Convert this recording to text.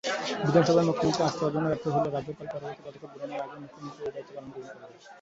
বিধানসভায় মুখ্যমন্ত্রী আস্থা অর্জনে ব্যর্থ হলে রাজ্যপাল পরবর্তী পদক্ষেপ গ্রহণের আগেও মুখ্যমন্ত্রী এই দায়িত্ব পালন করে থাকেন।